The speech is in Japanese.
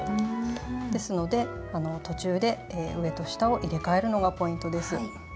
ですのであの途中で上と下を入れ替えるのがポイントです。